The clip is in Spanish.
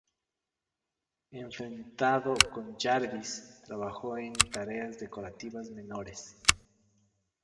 Enfrentado con Jarvis, trabajó en tareas decorativas menores.